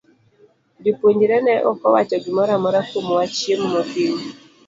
Jopuonjre ne ok owacho gimoro amora kuom wach chiemo mokinyi.